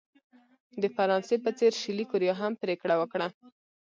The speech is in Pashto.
د فرانسې په څېر شلي کوریا هم پرېکړه وکړه.